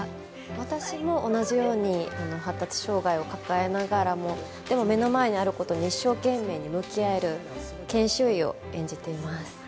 私も同じように発達障害を抱えながらもでも、目の前にあることに一生懸命に向き合える研修医を演じています。